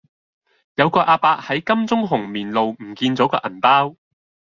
有個亞伯喺金鐘紅棉路唔見左個銀包